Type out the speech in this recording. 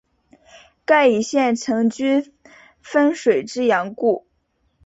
盖以县城居汾水之阳故。